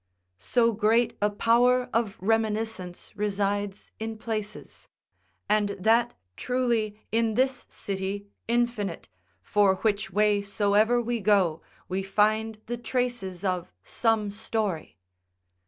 ["So great a power of reminiscence resides in places; and that truly in this city infinite, for which way soever we go, we find the traces of some story."